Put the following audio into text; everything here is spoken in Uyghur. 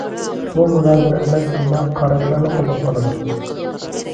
بۇ مۇنازىرە ئەمەس، ئەمما قاراشلارنى قوبۇل قىلىدۇ.